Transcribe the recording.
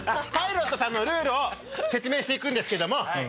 パイロットさんのルールを説明していくんですけども。